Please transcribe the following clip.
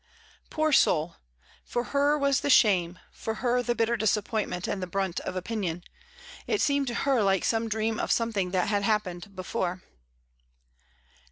Poor soul! for her was the shame, for her the bitter disappointment and the brunt of opinion. It seemed to her like some dream of something that had happened before.